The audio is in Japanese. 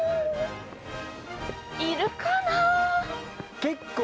いるかな？